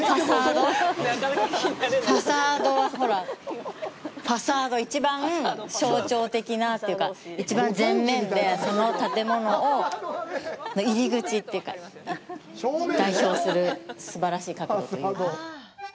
ファサードは、ほら、ファサード、いちばん象徴的なというか、いちばん前面で、その建物の入り口というか、代表するすばらしい角度というか。